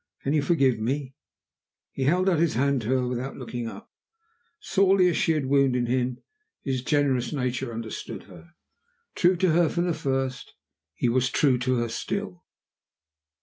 Can you forgive me?" He held out his hand to her without looking up. Sorely as she had wounded him, his generous nature understood her. True to her from the first, he was true to her still.